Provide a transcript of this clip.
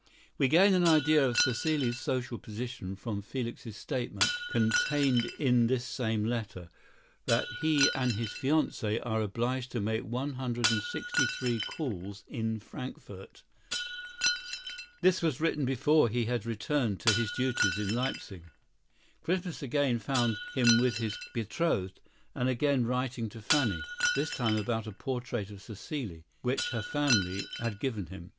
We gain an idea of Cécile's social position from Felix's statement, contained in this same letter, that he and his fiancée are obliged to make one hundred and sixty three calls in Frankfort. This was written before he had returned to his duties in Leipsic. Christmas again found him with his betrothed and again writing to Fanny—this time about a portrait of Cécile, which her family had given him.